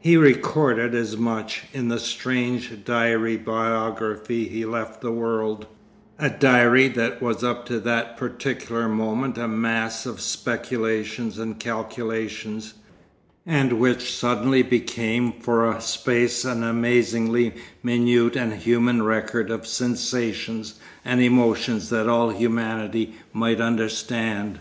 He recorded as much in the strange diary biography he left the world, a diary that was up to that particular moment a mass of speculations and calculations, and which suddenly became for a space an amazingly minute and human record of sensations and emotions that all humanity might understand.